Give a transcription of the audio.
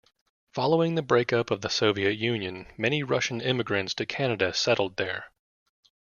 Following the breakup of the Soviet Union, many Russian immigrants to Canada settled there.